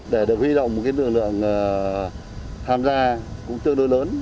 để được huy động một nguyên lượng tham gia cũng chưa đôi lớn